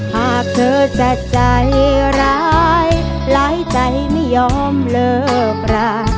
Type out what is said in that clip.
หากเธอจะใจร้ายหลายใจไม่ยอมเลิกรา